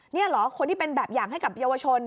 นี่เหรอคนที่เป็นแบบอย่างให้กับเยาวชน